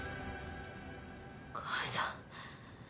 お母さん。